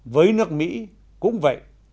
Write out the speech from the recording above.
với nước mỹ cũng vậy